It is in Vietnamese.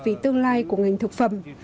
vì tương lai của ngành thực phẩm